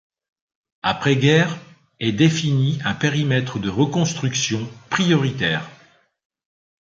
Après-guerre est défini un périmètre de reconstruction prioritaire.